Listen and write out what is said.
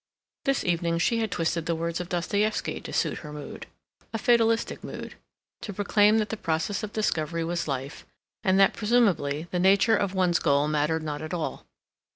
This evening she had twisted the words of Dostoevsky to suit her mood—a fatalistic mood—to proclaim that the process of discovery was life, and that, presumably, the nature of one's goal mattered not at all.